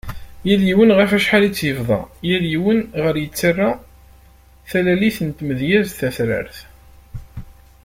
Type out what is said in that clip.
Yal yiwen ɣef acḥal i tt-yebḍa, yal yiwen i ɣer yettara talalit n tmedyazt tatrart .